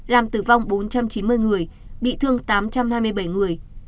làm tử vong bốn trăm chín mươi người bị thương tám trăm hai mươi bảy người